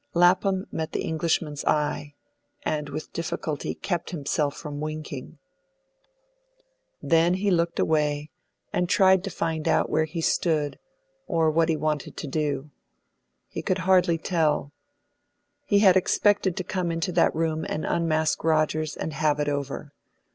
Lapham met the Englishman's eye, and with difficulty kept himself from winking. Then he looked away, and tried to find out where he stood, or what he wanted to do. He could hardly tell. He had expected to come into that room and unmask Rogers, and have it over.